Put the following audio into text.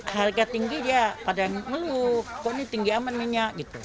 harga tinggi dia pada ngeluh kok ini tinggi aman minyak gitu